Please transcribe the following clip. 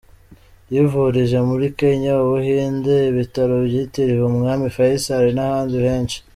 Yivurije muri Kenya, Ubuhinde, Ibitaro byitiriwe umwami Fayisali n'ahandi henshi.